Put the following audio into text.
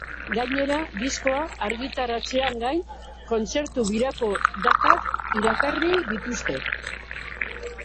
Gainera, diskoa argitaratzeaz gain, kontzertu-birako datak iragarri dituzte.